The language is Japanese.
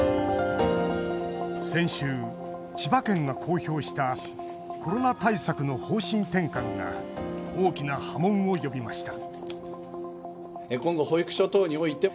先週、千葉県が公表したコロナ対策の方針転換が大きな波紋を呼びました